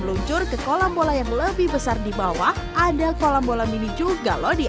meluncur ke kolam bola yang lebih besar di bawah ada kolam bola mini juga loh di